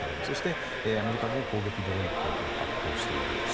そしてアメリカも攻撃ドローンの提供を発表している。